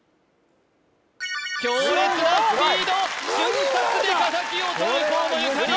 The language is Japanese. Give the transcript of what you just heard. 強烈なスピード瞬殺で敵をとる河野ゆかり